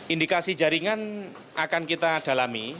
indikasi jaringan akan kita dalami